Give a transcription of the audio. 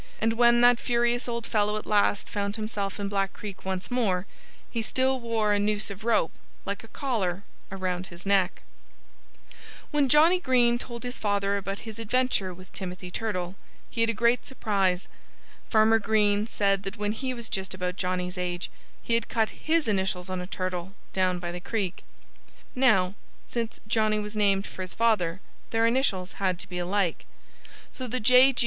And when that furious old fellow at last found himself in Black Creek once more he still wore a noose of rope, like a collar, around his neck. When Johnnie Green told his father about his adventure with Timothy Turtle, he had a great surprise. Farmer Green said that when he was just about Johnnie's age he had cut his initials on a turtle, down by the creek. Now, since Johnnie was named for his father, their initials had to be alike. So the J.